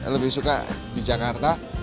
lebih suka di jakarta